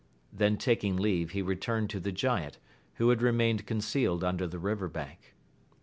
Then taking leave he returned to the giant, who had remained con cealed under the river bank.